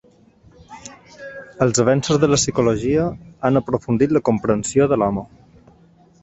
Els avenços de la psicologia han aprofundit la comprensió de l'home.